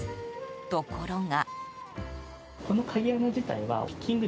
ところが。